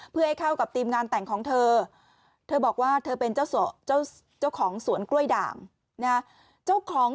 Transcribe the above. เพื่อให้เข้ากับทีมงานแต่งของเธอเธอบอกว่าเธอเป็นเจ้าของสวนกล้วยด่างนะเจ้าของ